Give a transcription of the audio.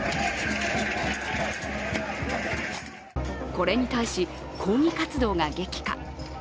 これに対し抗議活動が激化。